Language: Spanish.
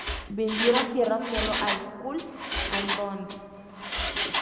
Vendieron tierras solo a Skull and Bones.